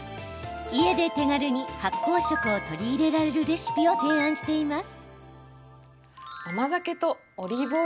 家で手軽に発酵食を取り入れられるレシピを提案しています。